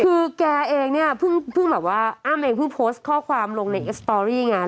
คือแกเองเนี่ยเพิ่งแบบว่าอ้ำเองเพิ่งโพสต์ข้อความลงในสตอรี่ไง